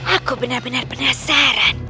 aku benar benar penasaran